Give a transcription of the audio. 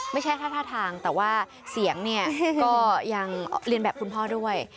ไม่ใช่แค่ท่าทางแต่ว่าเสียงเนี่ยก็ยังเรียนแบบคุณพ่อด้วย